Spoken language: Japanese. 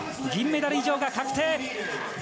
銀メダル以上が確定。